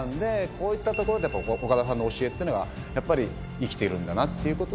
こういったところでやっぱ岡田さんの教えっていうのがやっぱり生きてるんだなっていうことで。